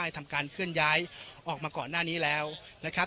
ทำการเคลื่อนย้ายออกมาก่อนหน้านี้แล้วนะครับ